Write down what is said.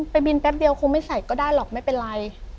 ไปบินแป๊บเดียวคงไม่ใส่ก็ได้หรอกไม่เป็นไร